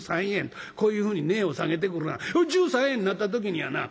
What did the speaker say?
こういうふうに値を下げてくるが１３円になった時にはな